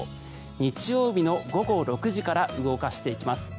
日曜日の午後６時から動かしていきます。